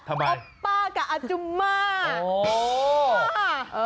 ทำไมอักกงอาม่ากับอัจจุมม่าโอ้โฮ